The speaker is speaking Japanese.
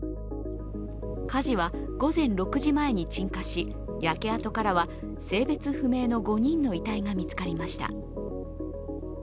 火事は、午前６時前に鎮火し焼け跡からは性別不明の５人の遺体が見つかりました。